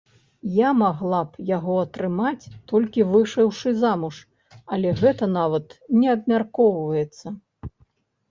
Я магла б яго атрымаць, толькі выйшаўшы замуж, але гэта нават не абмяркоўваецца.